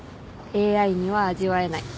ＡＩには味わえない。